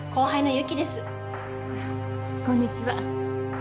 こんにちは。